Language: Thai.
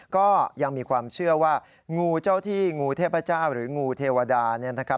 ก็ยังมีความเชื่อว่างูเจ้าที่งูเทพเจ้าหรืองูเทวดา